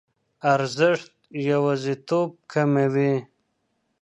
ارزښت یوازیتوب کموي.